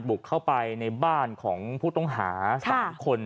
บุกเข้าไปในบ้านของผู้ต้องหา๓คน